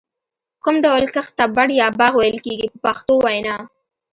کوم ډول کښت ته بڼ یا باغ ویل کېږي په پښتو وینا.